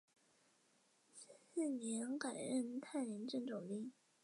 次年改任泰宁镇总兵。